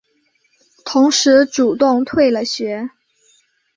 同时主动退了学。